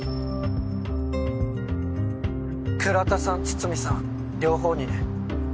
倉田さん堤さん両方にね。